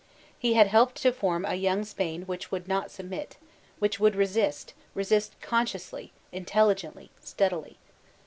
He hoped to help to form a young Spain which would not submit; which would resbt, resist consciously, intelligently, steadOy.